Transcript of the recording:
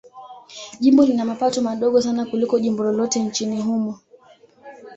Jimbo lina mapato madogo sana kuliko jimbo lolote nchini humo.